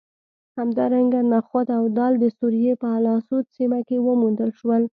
همدارنګه نخود او دال د سوریې په الاسود سیمه کې وموندل شول